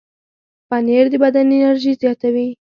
پنېر د بدن انرژي زیاتوي.